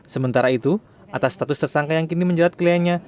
sementara itu atas status tersangka yang kini menjerat kliennya